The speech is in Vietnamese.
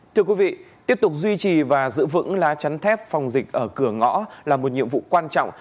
thưa quý vị tiếp tục duy trì và giữ vững lá chắn thép phòng dịch ở cửa ngõ là một nhiệm vụ quan trọng